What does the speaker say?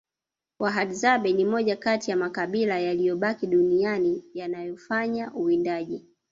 wahadzabe ni moja Kati ya makabila yaliyobakia duniani yanayofanya uwindaji